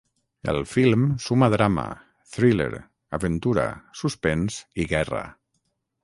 El film suma drama, thriller, aventura, suspens i guerra.